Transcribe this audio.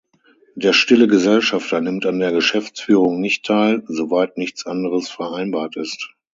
Der stille Gesellschafter nimmt an der Geschäftsführung nicht teil, soweit nichts anderes vereinbart ist.